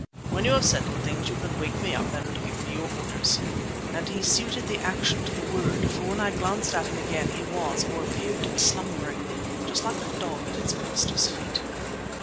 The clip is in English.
When you have settled things, you can wake me up and give me your orders," and he suited the action to the word, for when I glanced at him again he was, or appeared to be, slumbering, just like a dog at its master's feet.